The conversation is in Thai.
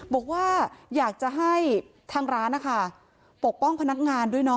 บอกว่าอยากจะให้ทางร้านนะคะปกป้องพนักงานด้วย